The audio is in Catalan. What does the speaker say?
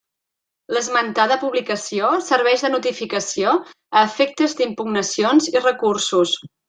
L'esmentada publicació serveix de notificació a efectes d'impugnacions i recursos.